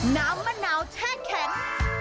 น้ำมะนาวแช่แข็ง